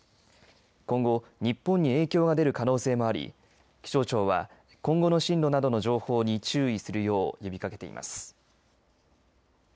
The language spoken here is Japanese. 今後、日本に影響が出る可能性もあり気象庁は今後の進路などの情報に注意するよう呼びかけています。